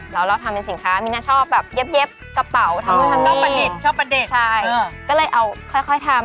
เริ่มมากี่ปีแล้วคะเอาเจ้าขอเรียบร้อย